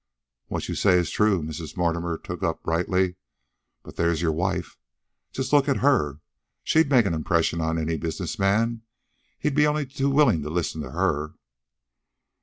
"What you say is true," Mrs. Mortimer took up brightly. "But there is your wife. Just look at her. She'd make an impression on any business man. He'd be only too willing to listen to her."